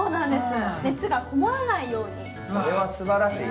熱が籠もらないように。